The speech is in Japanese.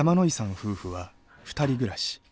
夫婦は２人暮らし。